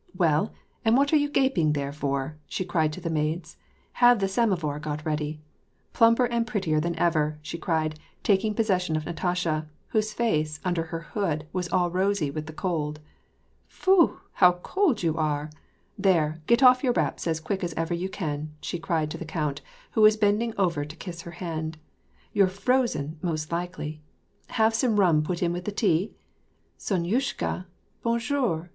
— Well, and what are you gaping there for ?" she cried to the maids. "Have the samovar got ready. — Plumper and prettier than ever!" she cried, taking possession of Natasha, whose face, under her hood, was all rosy with the cold. " Foo ! how cold you are ! There, get off your wraps as quick as ever you can," she cried to the count, who was bending over to kiss her hand. " You're frozen, most likely! have sotne rum put in with the tea? Sonyushka, bon jour ?